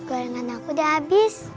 gorengan aku udah habis